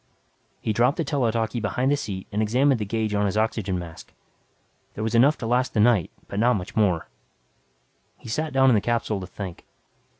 He dropped the tele talkie behind the seat and examined the gauge on his oxygen tank. There was enough to last the night but not much more. He sat down in the capsule to think.